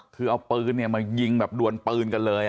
คือเอาปืนมายิงแบบดวนปืนกันเลย